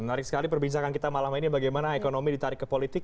menarik sekali perbincangan kita malam ini bagaimana ekonomi ditarik ke politik